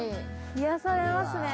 癒やされますね。